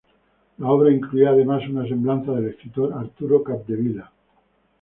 La obra incluía además una semblanza del escritor Arturo Capdevila.